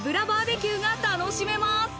バーベキューが楽しめます。